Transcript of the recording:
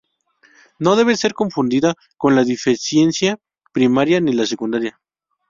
No debe ser confundida con la deficiencia primaria ni la secundaria.